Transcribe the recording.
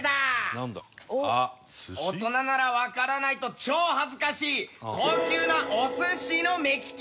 大人ならわからないと超恥ずかしい高級なお寿司の目利きだ。